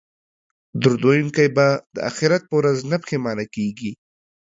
درود ویونکی به د اخرت په ورځ نه پښیمانه کیږي